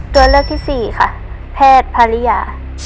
ตัวเลือกที่ภาษาพรรียา